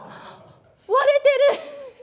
割れてる！